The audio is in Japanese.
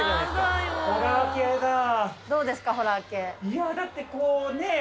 いやだってこうねぇ